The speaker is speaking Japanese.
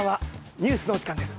ニュースのお時間です。